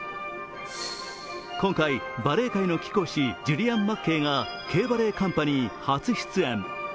今回、バレエ界の貴公子ジュリアン・マッケイがＫバレエカンパニー初出演。